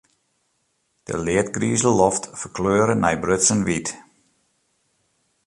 De leadgrize loft ferkleure nei brutsen wyt.